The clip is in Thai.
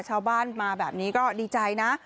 ชาวบ้านมาแบบนี้ก็ดีใจนะ